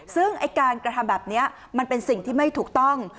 ซึ่งไอ้การกระทำแบบนี้มันเป็นสิ่งที่ไม่ถูกต้อง